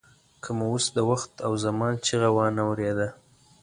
که مو اوس د وخت او زمان چیغه وانه ورېده.